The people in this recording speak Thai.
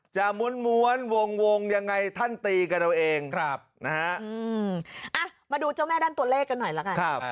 ม้วนวงยังไงท่านตีกันเอาเองนะฮะมาดูเจ้าแม่ด้านตัวเลขกันหน่อยละกัน